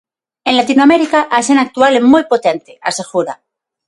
"En Latinoamérica a escena actual é moi potente", asegura.